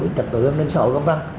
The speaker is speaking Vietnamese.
đến trật tự đến xã hội v v